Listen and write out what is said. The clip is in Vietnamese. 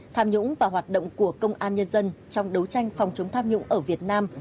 tham nhũng và hoạt động của công an nhân dân trong đấu tranh phòng chống tham nhũng ở việt nam